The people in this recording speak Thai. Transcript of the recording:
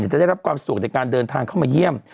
จะได้รับความสะดวกในการเดินทางเข้ามาเยี่ยม